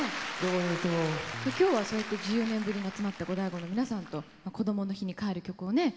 今日はそうやって１４年ぶりに集まったゴダイゴの皆さんとこどもの日に帰る曲をね